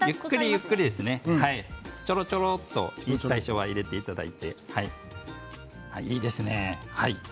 ゆっくり、ちょろちょろと最初は入れていただいていいですね。